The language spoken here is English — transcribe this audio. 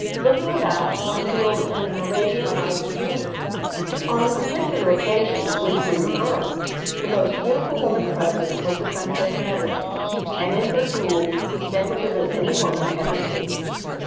Looking about, one feels in an Arabian Nights' dream. On the particular occasion to which we refer, the most beautiful woman present was the Princess Metternich, and in her jewels decorative as any woman ever seen.